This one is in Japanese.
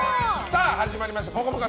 始まりました「ぽかぽか」